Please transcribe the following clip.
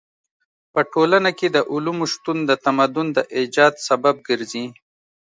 په ټولنه کې د علومو شتون د تمدن د ايجاد سبب ګرځي.